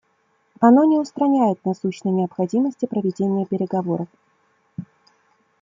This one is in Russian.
Оно не устраняет насущной необходимости проведения переговоров.